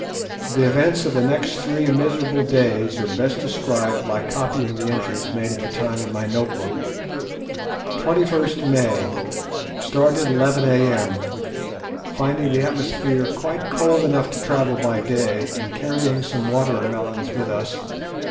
The events of the next three miserable days are best described by copying the entries made at the time in my note book. "21st May.—Started 11 a.m., finding the atmosphere quite cold enough to travel by day, and carrying some water melons with us.